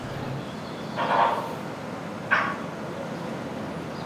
গতকাল মঙ্গলবার সকালে লাশ ময়নাতদন্তের জন্য শরীয়তপুর সদর হাসপাতাল মর্গে পাঠানো হয়।